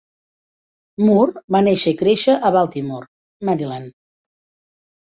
Moore va néixer i créixer a Baltimore, Maryland.